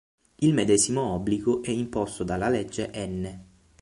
Il medesimo obbligo è imposto dalla legge n.